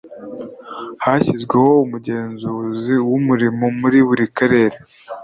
hashyizweho umugenzuzi w' umurimo muri buri karere